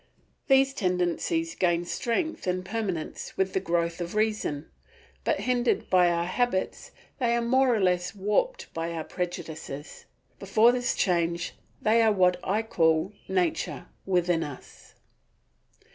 These tendencies gain strength and permanence with the growth of reason, but hindered by our habits they are more or less warped by our prejudices. Before this change they are what I call Nature within us.